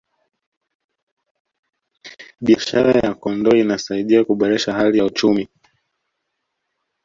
biashara ya kondoo inasaidia kuboresha hali ya uchumi